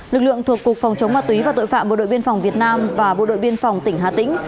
lực lượng thuộc cục phòng chống ma túy và tội phạm bộ đội biên phòng việt nam và bộ đội biên phòng tỉnh hà tĩnh